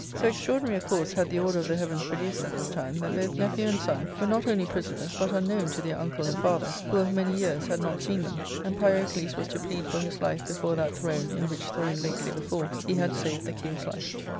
So extraordinary a course had the order of the heavens pro duced at this time that both nephew and son were not only prisoners, but unknown to their uncle and father, who of many years had not seen them ; and Pyrocles was to plead for his life before that throne, in which throne lately before he had saved the king's life.